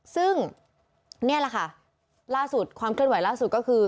ซึ่งนี่แหละค่ะล่าสุดความเคลื่อนไหวล่าสุดก็คือ